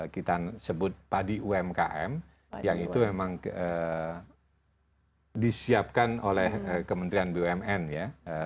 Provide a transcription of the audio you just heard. kita sebut padi umkm yang itu memang disiapkan oleh kementerian bumn ya